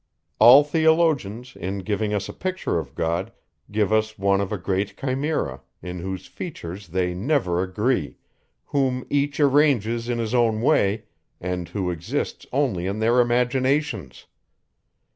All theologians, in giving us a picture of God, give us one of a great chimera, in whose features they never agree, whom each arranges in his own way, and who exists only in their imaginations.